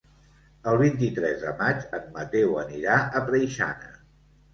El vint-i-tres de maig en Mateu anirà a Preixana.